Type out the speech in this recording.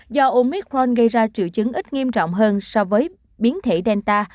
do umicron gây ra triệu chứng ít nghiêm trọng hơn so với biến thể delta